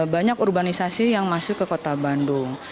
banyak urbanisasi yang masuk ke kota bandung